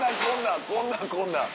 こんなんこんなん。